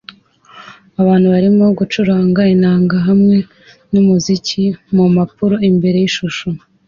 Abantu barimo gucuranga inanga hamwe numuziki wimpapuro imbere yishusho